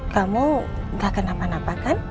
kamu gak kenapa napa kan